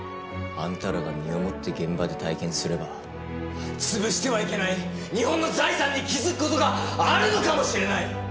あんたらが身をもって現場で体験すれば潰してはいけない日本の財産に気づく事があるのかもしれない。